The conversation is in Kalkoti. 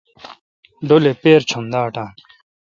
ڈولے پیرہ چم دا اٹان۔